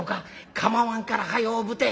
「構わんから早うぶて」。